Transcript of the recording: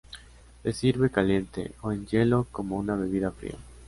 Se sirve caliente, o en hielo como una bebida fría.